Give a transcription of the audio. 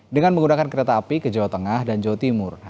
dengan menggunakan kereta api ke jawa tengah dan jawa timur